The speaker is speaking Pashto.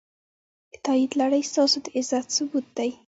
د تایید لړۍ ستاسو د عزم ثبوت دی.